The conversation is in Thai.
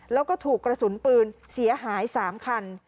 แล้วก็ถูกกระสุนปืนเสียหาย๓คัน